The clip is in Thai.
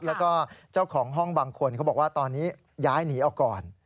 แล้วก็เจ้าของห้องบางคนเขาบอกว่าตอนนี้ย้ายหนีออกก่อน